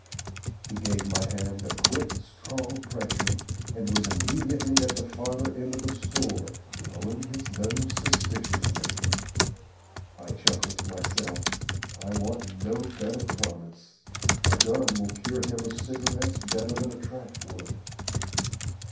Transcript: He gave my hand a quick, strong pressure, and was immediately at the farther end of the store, blowing his nose suspiciously. I chuckled to myself: "I want no better promise. A gun will cure him of cigarettes better than a tract would."